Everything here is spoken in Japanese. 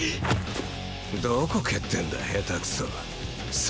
どこ蹴ってんだ下手くそ。